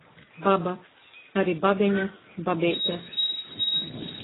Baba, ari babeņa, babeite.